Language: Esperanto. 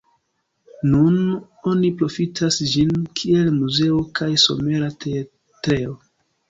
Nun oni profitas ĝin, kiel muzeo kaj somera teatrejo.